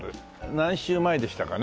何週前でしたかね